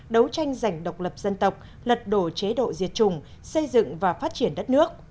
đấu tranh giành độc lập dân tộc lật đổ chế độ diệt chủng xây dựng và phát triển đất nước